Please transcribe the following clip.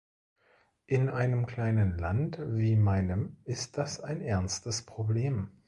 In einem kleinen Land wie meinem ist das ein ernstes Problem.